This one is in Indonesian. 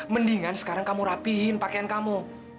mendingan sekarang kamu rapihin pakaian kamu